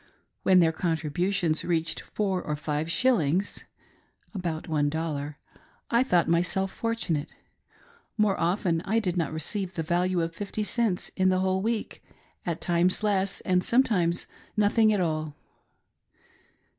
When their contributions reached four or five shillings (about j^i) I thought myself fortunate ; more often I did not receive the value of fifty cents in the whole week, at times less, and some times nothing at all.